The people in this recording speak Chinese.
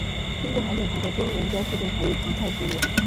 中国海警船在丁岩礁附近海域常态巡逻。